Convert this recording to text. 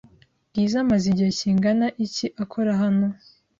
Bwiza amaze igihe kingana iki akora hano?